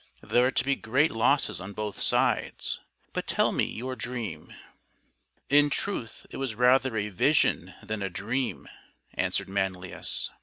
" There are to be great losses on both sides. — But tell me your dream," "In truth it was rather a vision than a dream," answered Manlius.